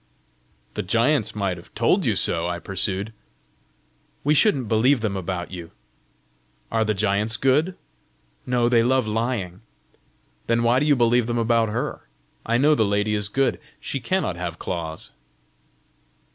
"The giants might have told you so!" I pursued. "We shouldn't believe them about you!" "Are the giants good?" "No; they love lying." "Then why do you believe them about her? I know the lady is good; she cannot have claws."